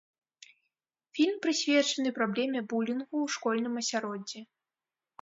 Фільм прысвечаны праблеме булінгу ў школьным асяроддзі.